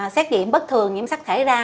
xét nghiệm bất thường nhiễm sắc thể ra